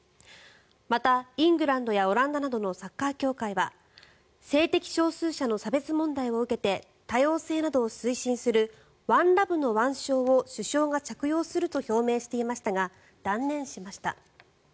またイングランドやオランダなどのサッカー協会は性的少数者の差別問題を受けて多様性などを推進するワンラブの腕章を主将が着用すると表明していましたが断念しました。